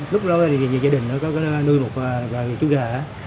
lúc đó gia đình có nuôi một chú gà